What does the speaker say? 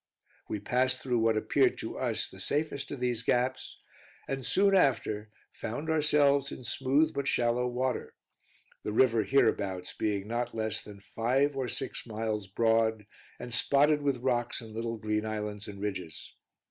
We passed through what appeared to us the safest of these gaps, and soon after found ourselves in smooth but shallow water: the river hereabouts being not less than five or six miles broad, and spotted with rocks and little green islands and ridges.